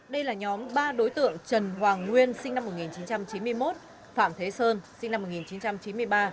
đây là nhóm ba đối tượng trần hoàng nguyên sinh năm một nghìn chín trăm chín mươi một phạm thế sơn sinh năm một nghìn chín trăm chín mươi ba